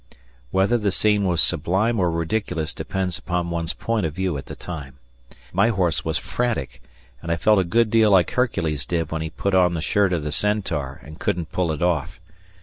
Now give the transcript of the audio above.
Whether the scene was sublime or ridiculous depends upon one's point of view at the time. My horse was frantic, and I felt a good deal like Hercules did when he put on the shirt of the Centaur and couldn't pull it off.